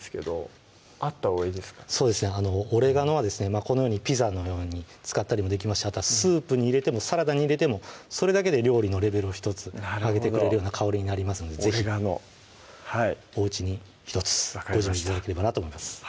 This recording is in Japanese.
このようにピザのように使ったりもできますしあとはスープに入れてもサラダに入れてもそれだけで料理のレベルを１つ上げてくれるような香りになりますので是非オレガノはいおうちに１つご準備頂ければなと思います